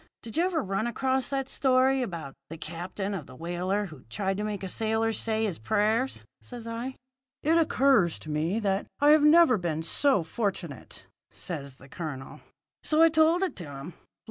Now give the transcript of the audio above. Did you ever run across that story about the captain of the whaler who tried to make a sailor say his prayers?' says I. "'It occurs to me that I have never been so fortunate,' says the colonel. "So I told it to him.